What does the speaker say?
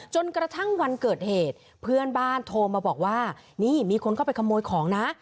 จนกระทั่งวันเกิดเหตุเพื่อนบ้านโทรมาบอกว่านี่มีคนเข้าไปขโมยของนะ